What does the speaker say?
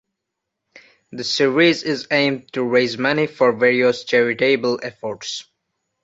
The series is aimed to raise money for various charitable efforts.